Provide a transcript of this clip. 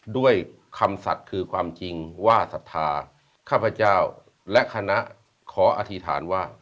ด้วยคำสัตว์คือความจริงว่าศรัทธาข้าพเจ้าและคณะขออธิษฐานว่า